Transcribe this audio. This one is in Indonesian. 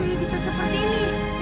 untuk melolong haliliksa